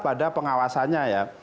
ya pengawasannya ya